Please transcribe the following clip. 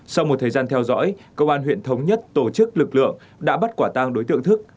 sau một thời gian theo dõi công an huyện thống nhất tổ chức lực lượng đã bắt quả tang đối tượng thức